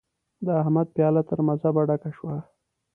د احمد پياله تر مذهبه ډکه شوه.